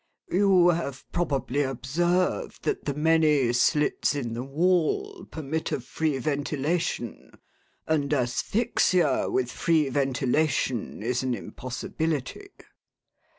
"You have probably observed that the many slits in the wall permit of free ventilation; and asphyxia with free ventilation is an impossibility."